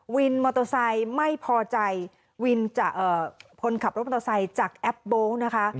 วินมอเตอร์ไซย์ไม่พอใจวินจากเอ่อพลขับรถมอเตอร์ไซยจากแอปโบว์นะคะ